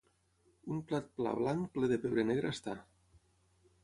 un plat pla blanc ple de pebre negre està